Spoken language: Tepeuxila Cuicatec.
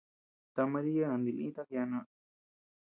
Ta Maria nandilïta kiana.